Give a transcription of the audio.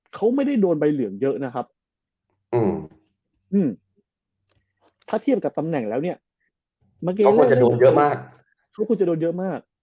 เขาไม่ได้โดนใบเหลืองเยอะนะครับถ้าเทียบกับตำแหน่งแล้วเนี่ยเขาควรจะโดนเยอะมาก